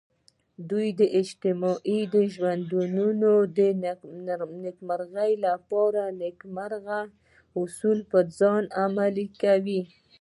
دوی د اجتماعي ژوندانه د نیکمرغۍ لپاره نیکمرغه اصول پر ځان عملي کوي.